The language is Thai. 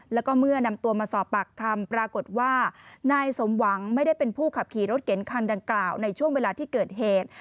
แล้วก็เมื่อนำตัวมาสอบปากคำปรากฏว่านายสมหวังไม่ได้เป็นผู้ขับขี่รถเก๋งคันดังกล่าวในช่วงเวลาที่เกิดเหตุ